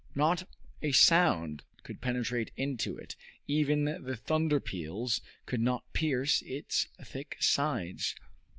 Not a sound could penetrate into it, even the thunder peals could not pierce its thick sides.